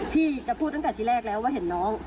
พี่จะพูดตั้งแต่ที่แรกแล้วว่าเห็นน้อง